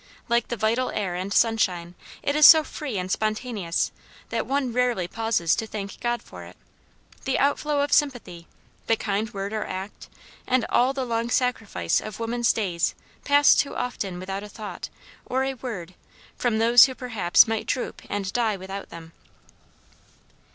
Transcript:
Like the vital air and sunshine, it is so free and spontaneous that one rarely pauses to thank God for it. The outflow of sympathy, the kind word or act, and all the long sacrifice of woman's days pass too often without a thought, or a word, from those who perhaps might droop and die without them.